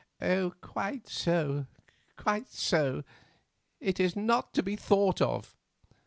"Quite so, quite so; it is not to be thought of.